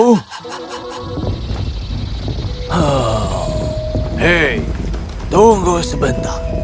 hei tunggu sebentar